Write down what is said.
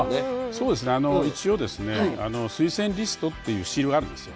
そうですねあの一応ですね推薦リストっていうシールがあるんですよ。